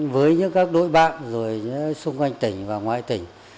với những các đối bạn rồi xung quanh tỉnh và ngoại tỉnh